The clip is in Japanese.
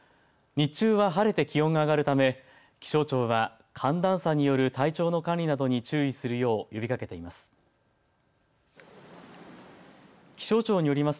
日中は晴れて気温が上がるため気象庁は寒暖差による体調の管理などに注意するよう呼びかけています。